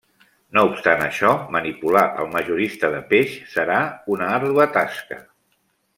No obstant això, manipular al majorista de peix serà una àrdua tasca.